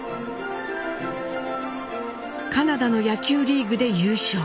カナダの野球リーグで優勝。